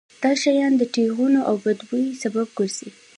دا شیان د ټېغونو او بد بوی سبب ګرځي.